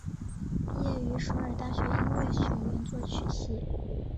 毕业于首尔大学音乐学院作曲系。